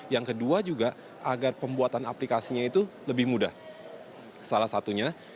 yang kedua juga agar pembuatan aplikasinya itu lebih mudah salah satunya